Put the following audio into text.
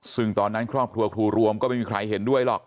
ซึ่งตอนนั้นครอบครัวครูรวมก็ไม่มีใครเห็นด้วยหรอก